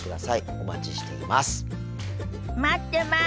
お待ちしています。